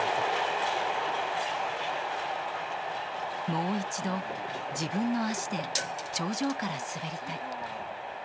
もう一度自分の足で頂上から滑りたい。